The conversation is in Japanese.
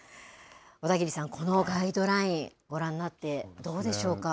小田切さん、このガイドライン、ご覧になってどうでしょうか。